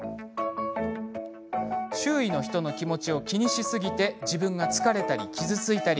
周囲の人の気持ちを気にしすぎて自分が疲れたり、傷ついたり。